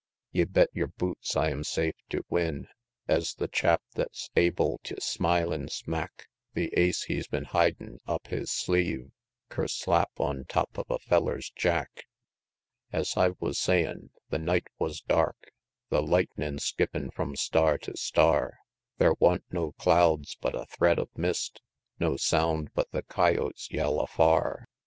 XVIII. Ye bet yer boots I am safe tew win, Es the chap thet's able tew smilin' smack The ace he's been hidin' up his sleeve Kerslap on top of a feller's jack! Es I wus sayin', the night wus dark, The lightnin' skippin' from star to star; Thar wa'n't no clouds but a thread of mist, No sound but the coyotes yell afar, XIX.